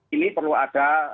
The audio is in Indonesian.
ini perlu ada